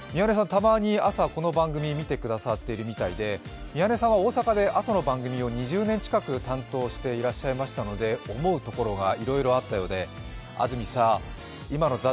たまに朝、この番組見てくださっているみたいで宮根さんは大阪で朝の番組を２０年近く担当していらっしゃったので思うところがいろいろあったようで安住さん、今の「ＴＨＥＴＩＭＥ，」